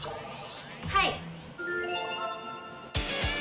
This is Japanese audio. はい！